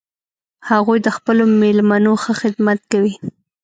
هغوی د خپلو میلمنو ښه خدمت کوي